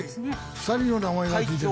２人の名前が付いてる。